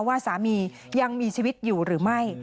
ว่าสามียังมีชีวิตอยู่หรือไม่